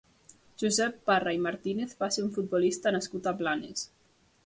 Josep Parra i Martínez va ser un futbolista nascut a Blanes.